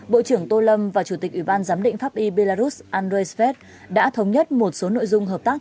bộ trưởng tô lâm và chủ tịch ủy ban giám định pháp y belarus andreisv đã thống nhất một số nội dung hợp tác